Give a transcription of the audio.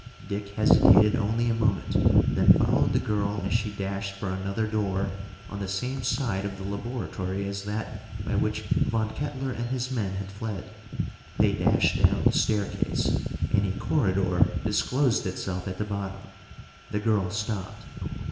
Dick hesitated only a moment, then followed the girl as she dashed for another door on the same side of the laboratory as that by which Von Kettler and his men had fled. They dashed down the staircase, and a corridor disclosed itself at the bottom. The girl stopped.